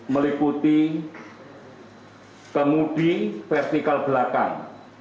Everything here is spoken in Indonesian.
meliputi kemudi vertikal belakang